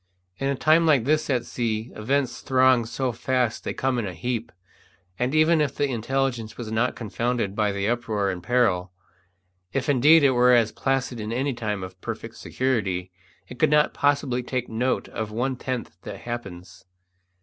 In a time like this at sea events throng so fast they come in a heap, and even if the intelligence were not confounded by the uproar and peril, if indeed it were as placid as in any time of perfect security, it could not possibly take note of one tenth that happens.